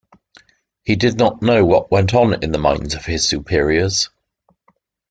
He did not know what went on in the minds of his superiors.